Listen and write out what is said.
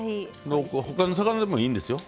他の魚でもいいんですよ。